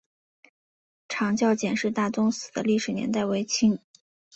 长教简氏大宗祠的历史年代为清。